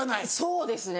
そうですね